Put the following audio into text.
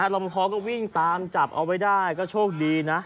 ลมคอก็วิ่งตามจับเอาไว้ได้ก็โชคดีนะ